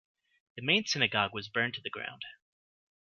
The main synagogue was burned to the ground.